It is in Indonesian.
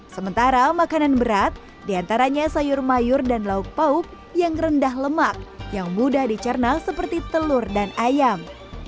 sementara makanan berat diantaranya sayur mayur dan lauk pauk yang rendah lemak yang mudah dicerna seperti telur dan ayam